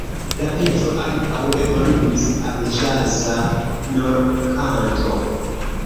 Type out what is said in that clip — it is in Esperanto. La peco ankaŭ evoluis al ĵaza normkanto.